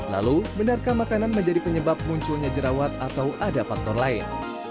lalu benarkah makanan menjadi penyebab munculnya jerawat atau ada faktor lain